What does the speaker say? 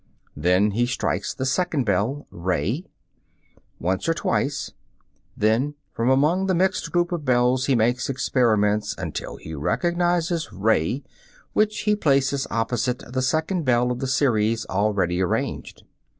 Then he strikes the second bell, re, once or twice; then from among the mixed group of bells he makes experiments until he recognizes re, which he places opposite the second bell of the series already arranged.